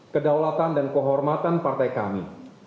kedaulatan dan kehormatan partai kami